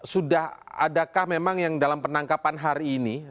sudah adakah memang yang dalam penangkapan hari ini